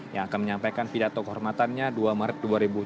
yang akan menyampaikan pidato kehormatannya dua maret dua ribu tujuh belas